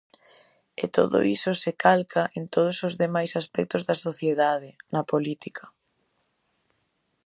E todo iso se calca en todos os demais aspectos da sociedade, na política.